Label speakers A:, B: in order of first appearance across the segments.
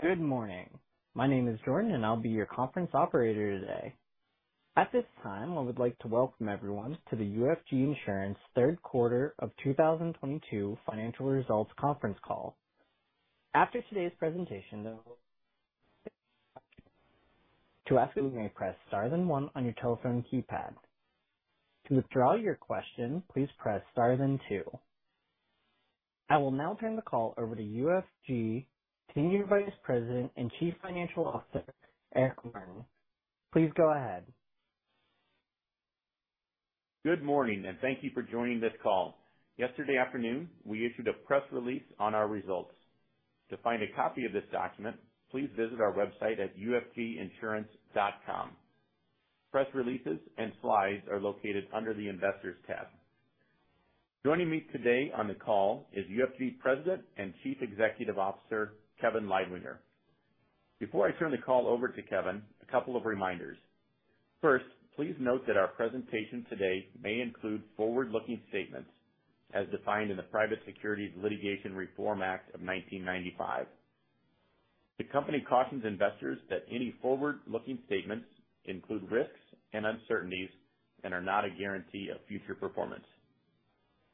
A: Good morning. My name is Jordan, and I'll be your conference operator today. At this time, I would like to welcome everyone to the UFG Insurance third quarter of 2022 financial results conference call. After today's presentation, to ask a question, press Star then one on your telephone keypad. To withdraw your question, please press Star then two. I will now turn the call over to UFG Insurance Executive Vice President and Chief Financial Officer, Eric Martin. Please go ahead.
B: Good morning, and thank you for joining this call. Yesterday afternoon, we issued a press release on our results. To find a copy of this document, please visit our website at ufginsurance.com. Press releases and slides are located under the Investors tab. Joining me today on the call is UFG President and Chief Executive Officer, Kevin Leidwinger. Before I turn the call over to Kevin, a couple of reminders. First, please note that our presentation today may include forward-looking statements as defined in the Private Securities Litigation Reform Act of 1995. The company cautions investors that any forward-looking statements include risks and uncertainties and are not a guarantee of future performance.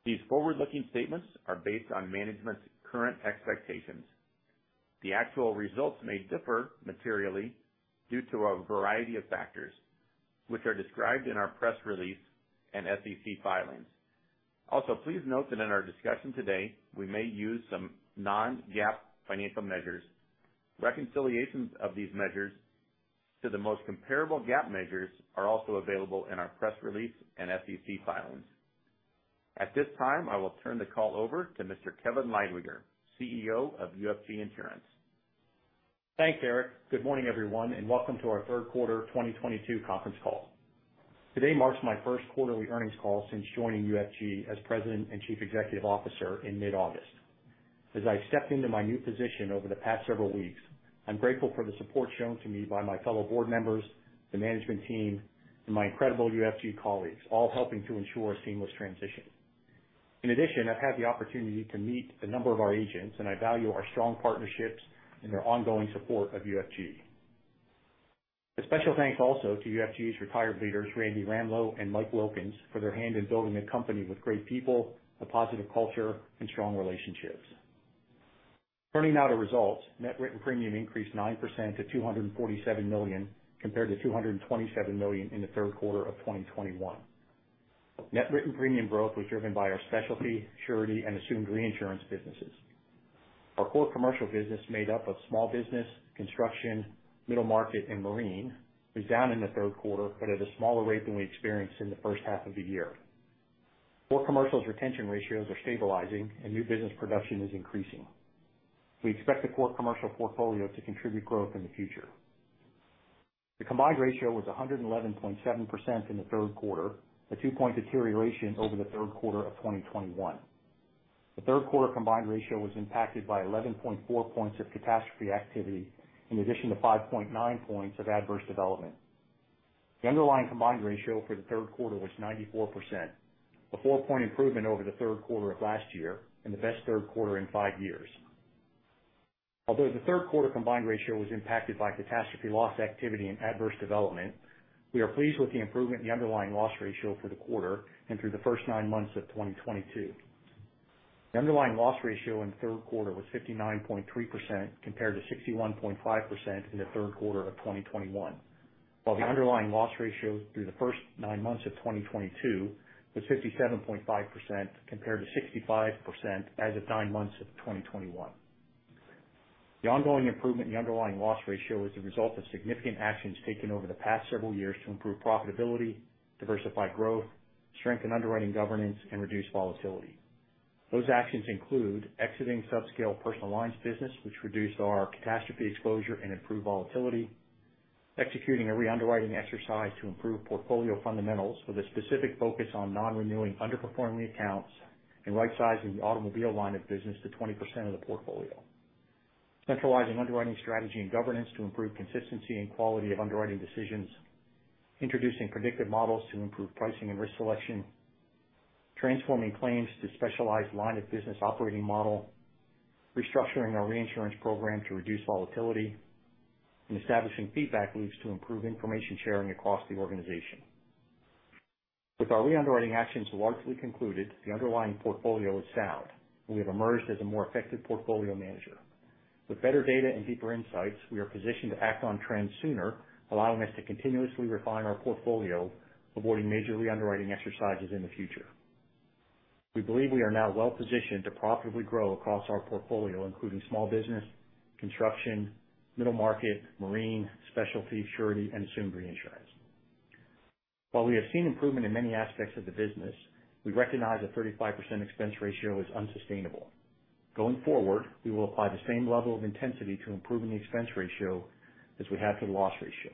B: These forward-looking statements are based on management's current expectations. The actual results may differ materially due to a variety of factors, which are described in our press release and SEC filings. Also, please note that in our discussion today, we may use some non-GAAP financial measures. Reconciliations of these measures to the most comparable GAAP measures are also available in our press release and SEC filings. At this time, I will turn the call over to Mr. Kevin Leidwinger, CEO of UFG Insurance.
C: Thanks, Eric. Good morning, everyone, and welcome to our third quarter 2022 conference call. Today marks my first quarterly earnings call since joining UFG as President and Chief Executive Officer in mid-August. As I stepped into my new position over the past several weeks, I'm grateful for the support shown to me by my fellow board members, the management team, and my incredible UFG colleagues, all helping to ensure a seamless transition. In addition, I've had the opportunity to meet a number of our agents, and I value our strong partnerships and their ongoing support of UFG. A special thanks also to UFG's retired leaders, Randy Ramlo and Michael Wilkins, for their hand in building a company with great people, a positive culture, and strong relationships. Turning now to results. Net written premium increased 9% to $247 million, compared to $227 million in the third quarter of 2021. Net written premium growth was driven by our specialty, surety, and assumed reinsurance businesses. Our core commercial business, made up of small business, construction, middle market, and marine, was down in the third quarter, but at a smaller rate than we experienced in the first half of the year. Core commercial's retention ratios are stabilizing and new business production is increasing. We expect the core commercial portfolio to contribute growth in the future. The combined ratio was 111.7% in the third quarter, a two-point deterioration over the third quarter of 2021. The third quarter combined ratio was impacted by 11.4 points of catastrophe activity, in addition to 5.9 points of adverse development. The underlying combined ratio for the third quarter was 94%, a four-point improvement over the third quarter of last year and the best third quarter in five years. Although the third quarter combined ratio was impacted by catastrophe loss activity and adverse development, we are pleased with the improvement in the underlying loss ratio for the quarter and through the first nine months of 2022. The underlying loss ratio in the third quarter was 59.3% compared to 61.5% in the third quarter of 2021. While the underlying loss ratio through the first nine months of 2022 was 57.5% compared to 65% as of nine months of 2021. The ongoing improvement in the underlying loss ratio is the result of significant actions taken over the past several years to improve profitability, diversify growth, strengthen underwriting governance, and reduce volatility. Those actions include exiting subscale personal lines business, which reduced our catastrophe exposure and improved volatility, executing a re-underwriting exercise to improve portfolio fundamentals with a specific focus on non-renewing underperforming accounts, and rightsizing the automobile line of business to 20% of the portfolio. Centralizing underwriting strategy and governance to improve consistency and quality of underwriting decisions, introducing predictive models to improve pricing and risk selection, transforming claims to specialized line of business operating model, restructuring our reinsurance program to reduce volatility, and establishing feedback loops to improve information sharing across the organization. With our re-underwriting actions largely concluded, the underlying portfolio is sound. We have emerged as a more effective portfolio manager. With better data and deeper insights, we are positioned to act on trends sooner, allowing us to continuously refine our portfolio, avoiding major re-underwriting exercises in the future. We believe we are now well positioned to profitably grow across our portfolio, including small business, construction, middle market, marine, specialty, surety, and assumed reinsurance. While we have seen improvement in many aspects of the business, we recognize a 35% expense ratio is unsustainable. Going forward, we will apply the same level of intensity to improving the expense ratio as we have to the loss ratio.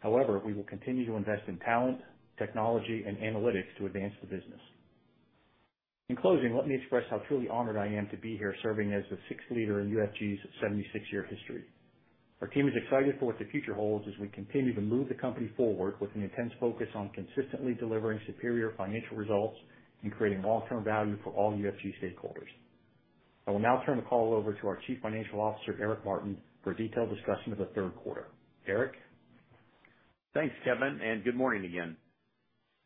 C: However, we will continue to invest in talent, technology, and analytics to advance the business. In closing, let me express how truly honored I am to be here serving as the sixth leader in UFG's 76-year history. Our team is excited for what the future holds as we continue to move the company forward with an intense focus on consistently delivering superior financial results and creating long-term value for all UFG stakeholders. I will now turn the call over to our Chief Financial Officer, Eric Martin, for a detailed discussion of the third quarter. Eric?
B: Thanks, Kevin, and good morning again.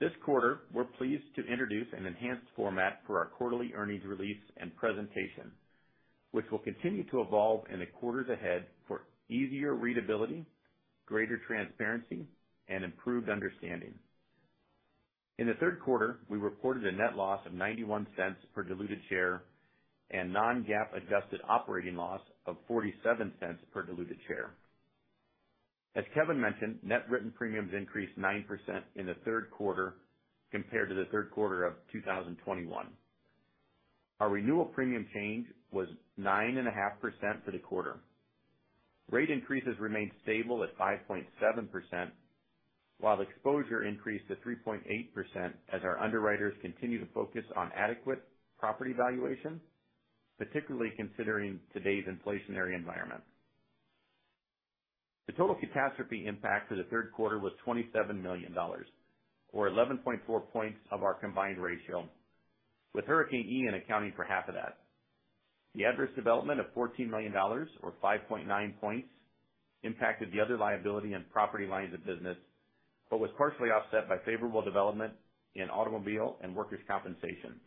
B: This quarter, we're pleased to introduce an enhanced format for our quarterly earnings release and presentation, which will continue to evolve in the quarters ahead for easier readability, greater transparency, and improved understanding. In the third quarter, we reported a net loss of $0.91 per diluted share and non-GAAP adjusted operating loss of $0.47 per diluted share. As Kevin mentioned, net written premiums increased 9% in the third quarter compared to the third quarter of 2021. Our renewal premium change was 9.5% for the quarter. Rate increases remained stable at 5.7%, while exposure increased to 3.8% as our underwriters continue to focus on adequate property valuation, particularly considering today's inflationary environment. The total catastrophe impact for the third quarter was $27 million or 11.4 points of our combined ratio, with Hurricane Ian accounting for half of that. The adverse development of $14 million or 5.9 points impacted the other liability and property lines of business, but was partially offset by favorable development in automobile and workers' compensation.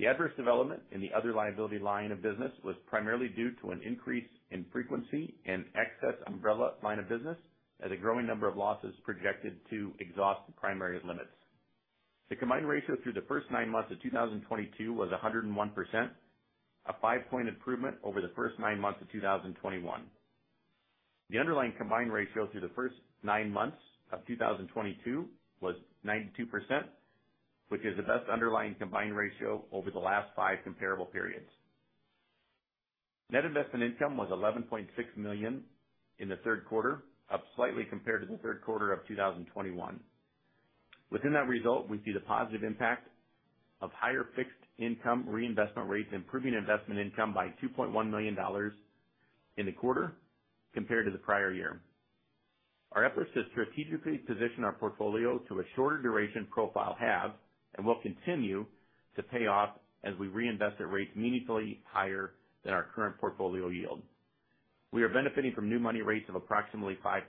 B: The adverse development in the other liability line of business was primarily due to an increase in frequency in excess umbrella line of business as a growing number of losses projected to exhaust the primary limits. The combined ratio through the first nine months of 2022 was 101%, a five-point improvement over the first nine months of 2021. The underlying combined ratio through the first nine months of 2022 was 92%, which is the best underlying combined ratio over the last five comparable periods. Net investment income was $11.6 million in the third quarter, up slightly compared to the third quarter of 2021. Within that result, we see the positive impact of higher fixed income reinvestment rates, improving investment income by $2.1 million in the quarter compared to the prior year. Our efforts to strategically position our portfolio to a shorter duration profile have and will continue to pay off as we reinvest at rates meaningfully higher than our current portfolio yield. We are benefiting from new money rates of approximately 5%.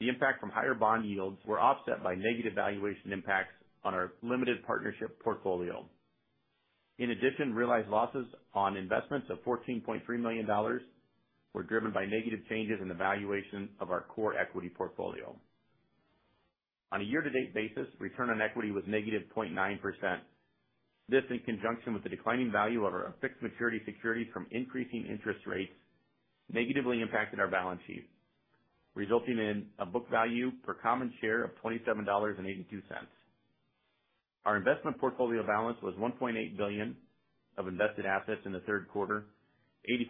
B: The impact from higher bond yields were offset by negative valuation impacts on our limited partnership portfolio. In addition, realized losses on investments of $14.3 million were driven by negative changes in the valuation of our core equity portfolio. On a year-to-date basis, return on equity was -0.9%. This, in conjunction with the declining value of our fixed maturity securities from increasing interest rates, negatively impacted our balance sheet, resulting in a book value per common share of $27.82. Our investment portfolio balance was $1.8 billion of invested assets in the third quarter,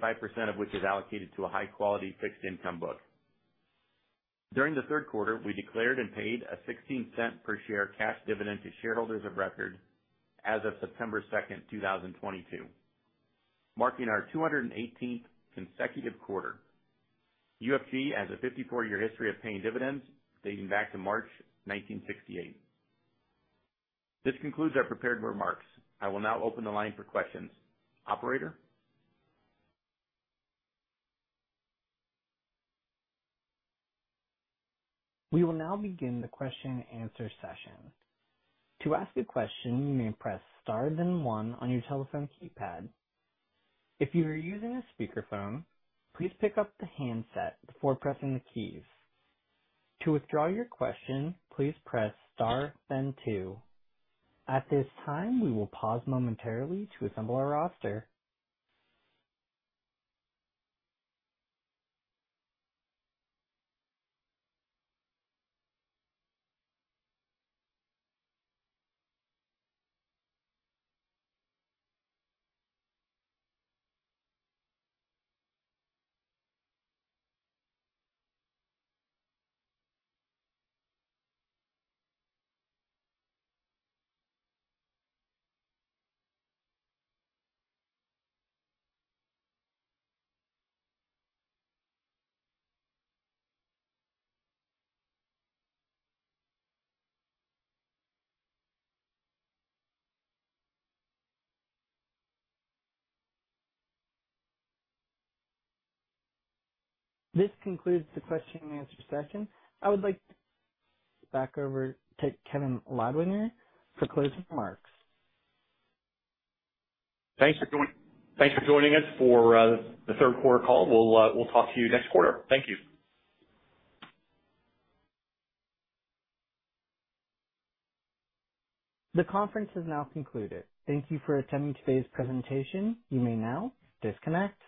B: 85% of which is allocated to a high-quality fixed income book. During the third quarter, we declared and paid a $0.16 per share cash dividend to shareholders of record as of September 2, 2022, marking our 218th consecutive quarter. UFG has a 54-year history of paying dividends dating back to March 1968. This concludes our prepared remarks. I will now open the line for questions. Operator?
A: We will now begin the question and answer session. To ask a question, you may press Star then one on your telephone keypad. If you are using a speakerphone, please pick up the handset before pressing the keys. To withdraw your question, please press Star then two. At this time, we will pause momentarily to assemble our roster. This concludes the question and answer session. I would like back over to Kevin Leidwinger for closing remarks.
C: Thanks for joining us for the third quarter call. We'll talk to you next quarter. Thank you.
A: The conference has now concluded. Thank you for attending today's presentation. You may now disconnect.